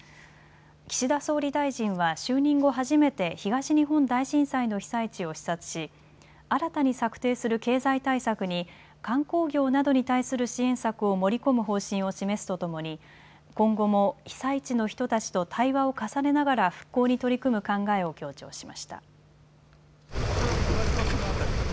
岸田総理大臣は就任後初めて東日本大震災の被災地を視察し新たに策定する経済対策に観光業などに対する支援策を盛り込む方針を示すとともに今後も被災地の人たちと対話を重ねながら復興に取り組む考えを強調しました。